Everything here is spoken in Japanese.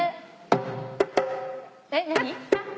えっ何？